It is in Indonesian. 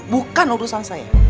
bukan urusan saya